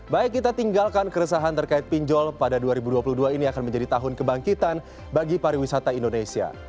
baik kita tinggalkan keresahan terkait pinjol pada dua ribu dua puluh dua ini akan menjadi tahun kebangkitan bagi pariwisata indonesia